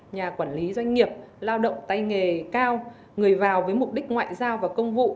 nhà quản lý doanh nghiệp lao động tay nghề cao người vào với mục đích ngoại giao và công vụ